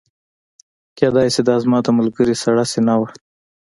کیدای شي دا زما د ملګري سړه سینه وه